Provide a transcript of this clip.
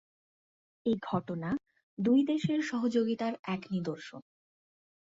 এই ঘটনা দুই দেশের সহযোগিতার এক নিদর্শন।